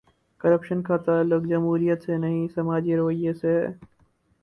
Corruption کا تعلق جمہوریت سے نہیں، سماجی رویے سے ہے۔